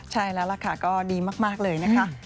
ใช่แล้วล่ะค่ะก็ดีมากเลยนะคะ